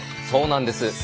そうなんです。